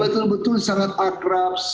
betul betul sangat akrab